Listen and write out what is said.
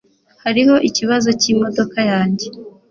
Hariho ikibazo cyimodoka yanjye.